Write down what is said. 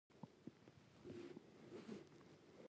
زه د خندا ارزښت پېژنم.